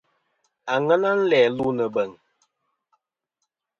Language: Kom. Àŋena nɨ̀n læ lu nɨ̀ bèŋ.